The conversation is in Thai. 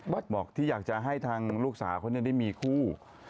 บอกที่อยากจะให้ทางลูกสาวเขาได้มีคู่